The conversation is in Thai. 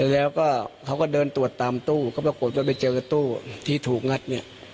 แล้วก็เขาก็เดินตรวจตามตู้ก็ปรากฏว่าไปเจอกับตู้ที่ถูกงัดเนี่ย